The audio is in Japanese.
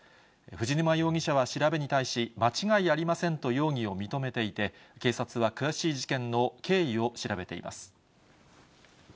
藤沼容疑者は調べに対し、間違いありませんと容疑を認めていて、警察は詳しい事件の経緯を調べています。